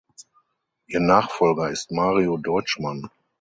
Ihr Nachfolger ist Mario Deutschmann.